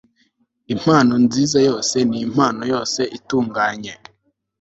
impano nziza yose n impano yose itunganye